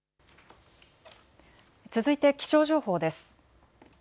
続いて気象情報です。